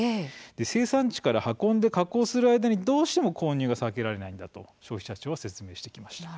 生産地から運んで加工する間にどうしても混入は避けられないんだと消費者庁は説明しています。